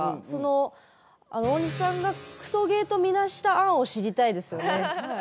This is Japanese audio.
その大西さんがクソゲーと見なした案を知りたいですよね。